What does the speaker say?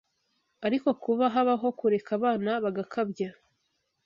ariko kuba habaho kureka abana bagakabya